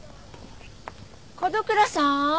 角倉さん？